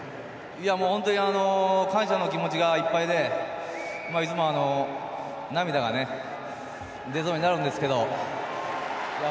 いやもうホントに感謝の気持ちがいっぱいでいつも涙がね出そうになるんですけどいや